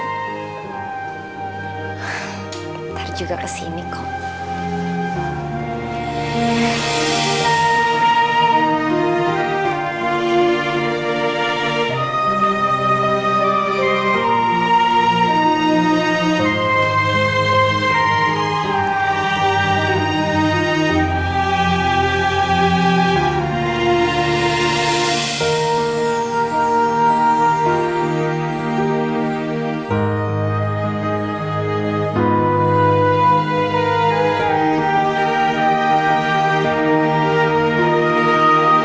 ntar juga kesini kok